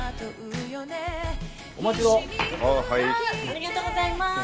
ありがとうございます。